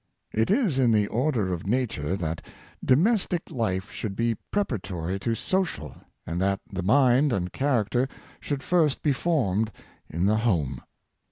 It is in the order of nature that domestic Hfe should be preparatory to social, and that the mind and char acter should first be formed in the home.